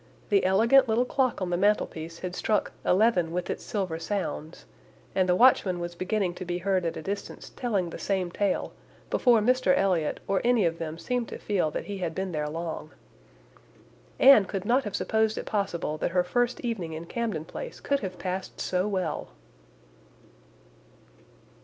The elegant little clock on the mantel piece had struck "eleven with its silver sounds," and the watchman was beginning to be heard at a distance telling the same tale, before Mr Elliot or any of them seemed to feel that he had been there long. Anne could not have supposed it possible that her first evening in Camden Place could have passed so well!